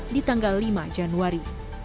di tanggal lima januari